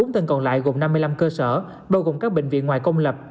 bốn tầng còn lại gồm năm mươi năm cơ sở bao gồm các bệnh viện ngoài công lập